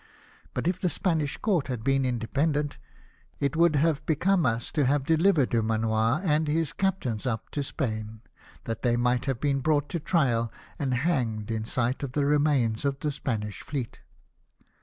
But if the Spanish Court had been independent, it would have become us to have deHvered Dumanoir and his captains up to Spain, that they might have been brought to trial and hanged in sight of the remains of the Spanish fleet.